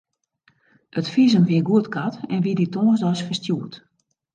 It fisum wie goedkard en wie dy tongersdeis ferstjoerd.